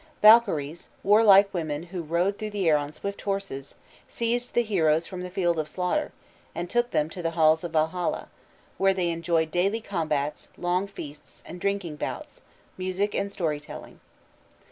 Valkyries, warlike women who rode through the air on swift horses, seized the heroes from the field of slaughter, and took them to the halls of Valhalla, where they enjoyed daily combats, long feasts, and drinking bouts, music and story telling.